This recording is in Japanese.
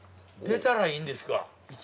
◆出たらいいんですか。